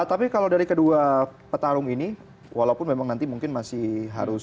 tapi kalau dari kedua petarung ini walaupun memang nanti mungkin masih harus